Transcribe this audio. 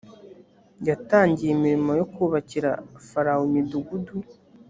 yatangiye imirimo yo kubakira farawo imidugudu.